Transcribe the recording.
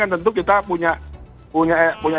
tentu kita punya